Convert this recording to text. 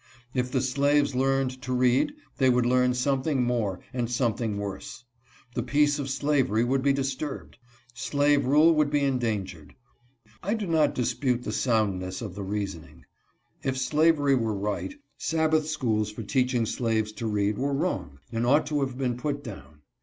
If the slaves learned to read they would learn something more and something worse. The peace of slavery would be disturbed. Slave rule would be endangered. I do not dispute the soundness 188 EXCEPTIONS TO GENERAL RULES. of the reasoning. If slavery were right, Sabbath schools for teaching slaves to read were wrong, and ought to have been put down.